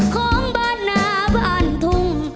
ของบ้านนาบ้านทุ่ง